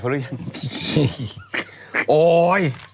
พี่โอ้ย